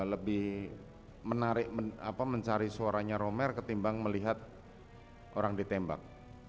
lebih menarik mencari suaranya romer ketimbang melihat orang ditembak